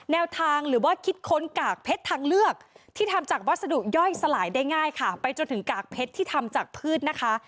แนวทางหรือว่าคิดค้นกากเพชรทางเลือกที่ทำจากวัสดุย่อยสลายได้ง่ายค่ะไปจนถึงกากเพชรที่ทำจากพืชนะคะ